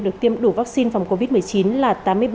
được tiêm đủ vaccine phòng covid một mươi chín là tám mươi ba